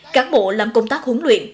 các bộ làm công tác huấn luyện